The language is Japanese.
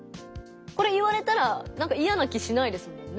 これ言われたらなんかいやな気しないですもんね。